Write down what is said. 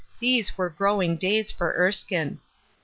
293 these were growing days for Erskine.